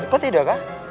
kok tidak kak